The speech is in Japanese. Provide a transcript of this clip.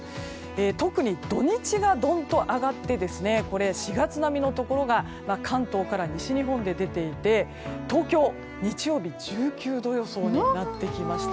特に土日がどんと上がって４月並みのところが関東から西日本で出ていて東京、日曜日１９度予想になってきました。